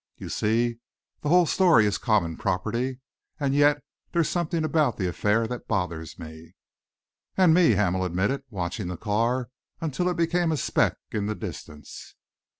You see, the whole story is common property. And yet, there's something about the affair that bothers me." "And me," Hamel admitted, watching the car until it became a speck in the distance.